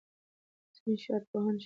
ځینې شعرپوهان شعر عربي نه بولي.